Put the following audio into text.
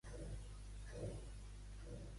Qui ha recriminat a Montoro?